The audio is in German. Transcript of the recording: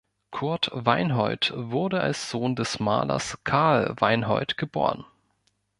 Kurt Weinhold wurde als Sohn des Malers Carl Weinhold geboren.